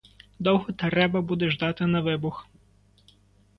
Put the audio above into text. Довго треба буде ждати на вибух?